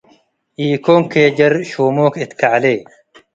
ኢኮን ኬጀር ሹሙክ እት ከዕሌ